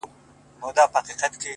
هغې ويل په پوري هـديــره كي ښخ دى ،